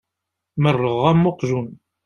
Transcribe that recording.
Merrɣeɣ am uqjun.